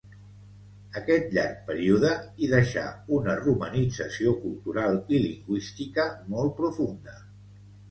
Aquest llarg període hi deixà una romanització cultural i lingüística molt profunda.